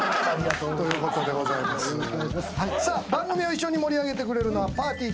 さあ番組を一緒に盛り上げてくれるのはぱーてぃー